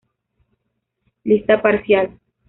Lista parcial